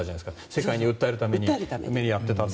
世界に訴えるためにやっていたと。